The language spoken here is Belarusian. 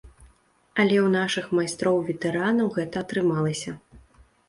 Але ў нашых майстроў-ветэранаў гэта атрымалася.